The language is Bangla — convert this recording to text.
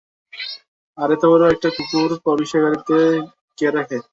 আর এত বড় একটা কুকুর পুলিশের গাড়িতে কে রাখে?